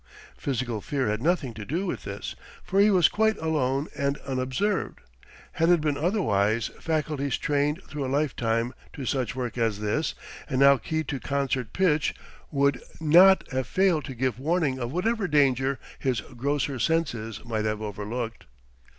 Physical fear had nothing to do with this, for he was quite alone and unobserved; had it been otherwise faculties trained through a lifetime to such work as this and now keyed to concert pitch would not have failed to give warning of whatever danger his grosser senses might have overlooked.